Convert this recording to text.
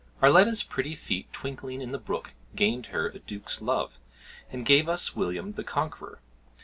Arletta's pretty feet twinkling in the brook gained her a duke's love, and gave us William the Conqueror.